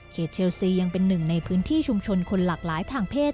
เชลซียังเป็นหนึ่งในพื้นที่ชุมชนคนหลากหลายทางเพศ